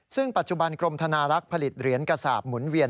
ซึ่งปัจจุบันกรมธนารักษ์ผลิตเหรียญกระสาปหมุนเวียน